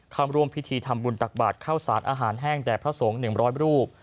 เข้าร่วมพิธีทำบุญตักบาทเข้าสารอาหารแห้งแด่พระสงฆ์๑๐๐รูป